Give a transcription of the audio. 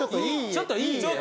ちょっといい家よ。